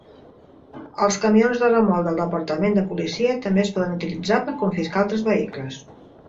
Els camions de remolc del departament de policia també es poden utilitzar per confiscar altres vehicles.